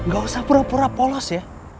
gak usah pura pura polos ya